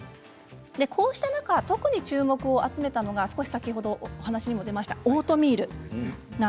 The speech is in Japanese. こうした中、特に注目を集めたのが、先ほどお話にも出ましたオートミール。